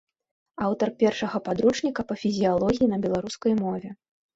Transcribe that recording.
Аўтар першага падручніка па фізіялогіі на беларускай мове.